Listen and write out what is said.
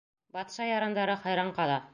Батша ярандары хайран ҡала.